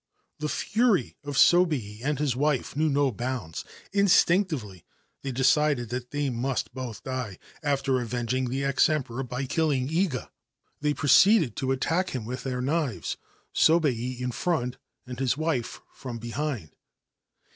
The fury of Sobei and his wife knew no bounds, jtinctively they decided that they must both die after mging the ex Emperor by killing Iga. They proceeded attack him with their knives — Sobei in front and his re from behind.